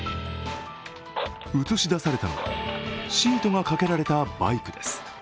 映し出されたのはシートがかけられたバイクです。